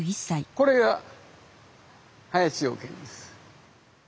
これが林養賢です。